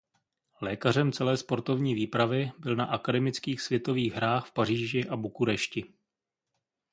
Lékařem celé sportovní výpravy byl na Akademických světových hrách v Paříži a Bukurešti.